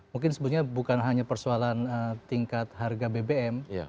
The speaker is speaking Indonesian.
mungkin sebetulnya bukan hanya persoalan tingkat harga bbm